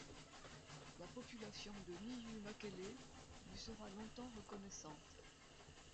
La population de Nyumakele lui sera longtemps reconnaissante.